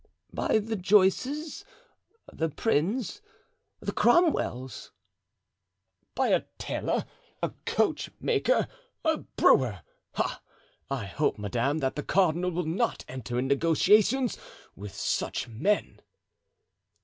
"By the Joices, the Prinns, the Cromwells?" "By a tailor, a coachmaker, a brewer! Ah! I hope, madame, that the cardinal will not enter into negotiations with such men!"